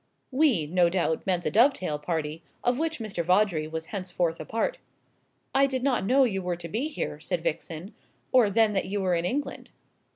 "We," no doubt, meant the Dovedale party, of which Mr. Vawdrey was henceforth a part. "I did not know you were to be here," said Vixen, "or then that you were in England."